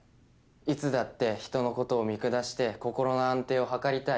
いつだって人のことを見下して心の安定をはかりたい。